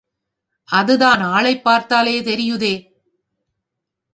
அது தான் ஆளைப் பார்த்தாலே தெரியுதே.